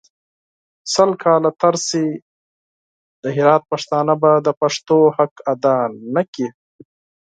سل کاله تېر سي د هرات پښتانه به د پښتو حق اداء نکړي.